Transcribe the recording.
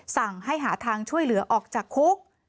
สั่งให้หาทางช่วยเหลือออกจากคุก